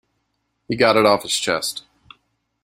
He got it off his chest.